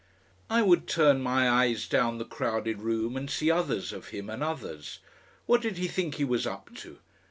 I would turn my eyes down the crowded room and see others of him and others. What did he think he was up to?